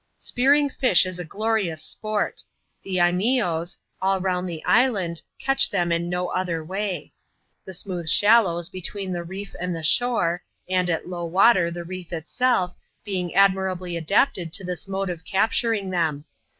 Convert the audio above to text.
Spearing fish is glorious sport. The Lneeose, all round the island, catch them in no other way. The smooth shallows be tween the reef and the shore, and, at low water, the reef itself, being admirably adapted to this mode of capturing them.